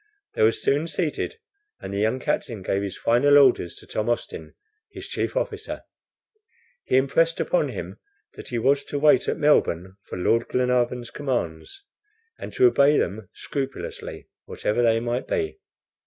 They were soon seated, and the young captain gave his final orders to Tom Austin, his chief officer. He impressed upon him that he was to wait at Melbourne for Lord Glenarvan's commands, and to obey them scrupulously, whatever they might be.